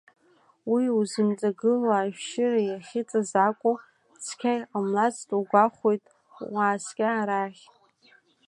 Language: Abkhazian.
Уи узымҵагылоу, ашәшьыра иахьыҵаз акәу, цқьа иҟамлацт сгәахәуеит, уааскьа арахь…